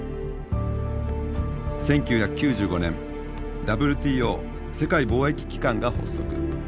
１９９５年ＷＴＯ世界貿易機関が発足。